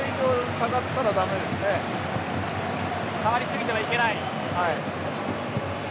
下がりすぎてはいけないと。